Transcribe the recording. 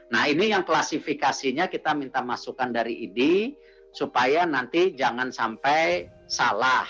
nah ini yang klasifikasinya kita minta masukan dari idi supaya nanti jangan sampai salah